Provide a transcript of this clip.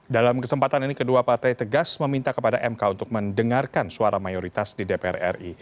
dalam kesempatan ini kedua partai tegas meminta kepada mk untuk mendengarkan suara mayoritas di dpr ri